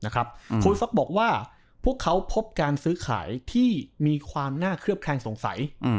คุณซักบอกว่าพวกเขาพบการซื้อขายที่มีความน่าเคลือบแคลงสงสัย